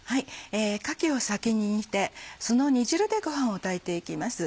かきを先に煮てその煮汁でごはんを炊いていきます。